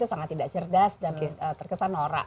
sangat tidak cerdas dan terkesan nora